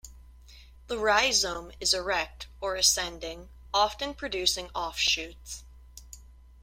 The rhizome is erect or ascending, often producing offshoots.